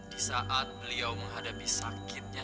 di saat beliau menghadapi sakitnya